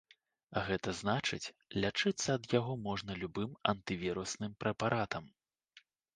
А гэта значыць, лячыцца ад яго можна любым антывірусным прэпаратам.